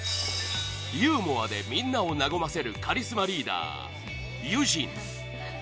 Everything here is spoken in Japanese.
ユーモアでみんなを和ませるカリスマリーダー、ユジン